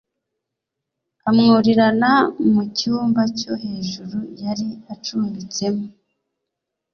amwurirana mu cyumba cyo hejuru yari acumbitsemo